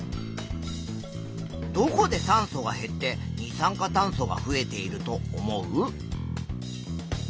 どこで酸素は減って二酸化炭素が増えていると思う？